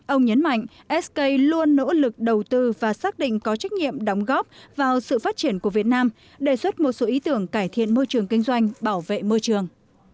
ông nhấn mạnh sk luôn nỗ lực đầu tư và xác định có trách nhiệm đóng góp vào sự phát triển của việt nam đề xuất một số ý tưởng cải thiện môi trường kinh doanh bảo vệ môi trường